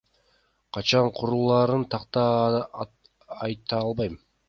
Качан курулаарын так айта албайм.